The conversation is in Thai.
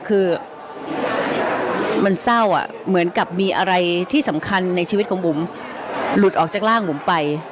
คือมันเศร้าอ่ะเหมือนกับมีอะไรที่สำคัญในชีวิตของบุ๋มหลุดออกจากร่างบุ๋มไป